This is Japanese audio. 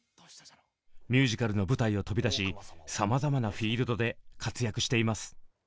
ミュージカルの舞台を飛び出しさまざまなフィールドで活躍しています。